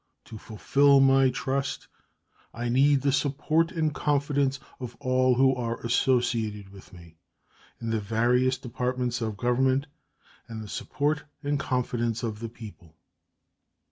To fulfill my trust I need the support and confidence of all who are associated with me in the various departments of Government and the support and confidence of the people.